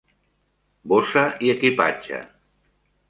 Bossa i equipatge